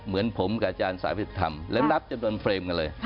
เหมือนผมกับอาจารย์สายพิษธรรมและนับจำนวนเฟรมกันเลย